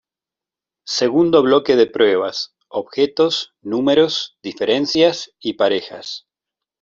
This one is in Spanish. Segundo bloque de pruebas: objetos, números, diferencias y parejas.